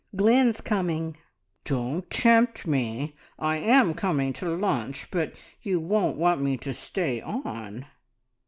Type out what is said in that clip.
Glynn's coming!" "Don't tempt me! I am coming to lunch, but you won't want me to stay on."